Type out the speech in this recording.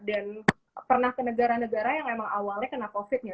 pernah ke negara negara yang memang awalnya kena covid nya